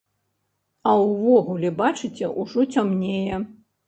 А ўвогуле, бачыце, ужо цямнее.